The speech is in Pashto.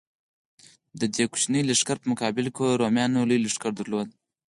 د دې وړوکي لښکر په مقابل کې رومیانو لوی لښکر درلود.